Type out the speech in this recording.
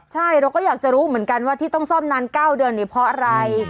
ใช่เราก็อยากจะรู้เหมือนกันว่าที่ต้องซ่อมนาน๙เดือนนี้เพราะอะไร